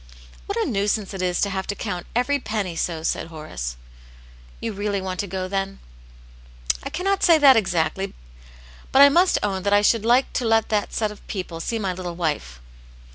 "What a nuisance it is to have to count every penny so !" said Horace. " You really want to go, then V^ '" I cannot say that exactly. But I must own that^ I should like to let that set of people see my little wife."